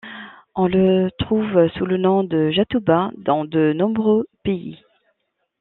On le trouve sous le nom de jatoba dans de nombreux pays.